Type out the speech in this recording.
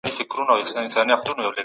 سم نیت باور نه خرابوي.